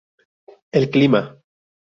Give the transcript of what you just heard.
El Clima.